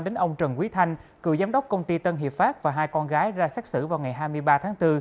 đến ông trần quý thanh cựu giám đốc công ty tân hiệp pháp và hai con gái ra xác xử vào ngày hai mươi ba tháng bốn